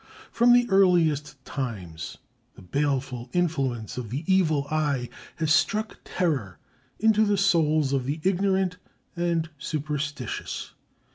From the earliest times the baleful influence of the Evil Eye has struck terror into the souls of the ignorant and superstitious.